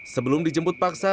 sebelum dijemput paksa